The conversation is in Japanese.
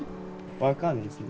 分かんないっすね。